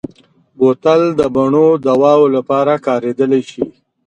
بوتل د بڼو دواوو لپاره کارېدلی شي.